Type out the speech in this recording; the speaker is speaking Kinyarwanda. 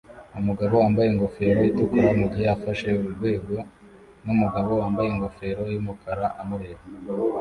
Umugabo wambaye ingofero itukura mugihe afashe urwego numugabo wambaye ingofero yumukara amureba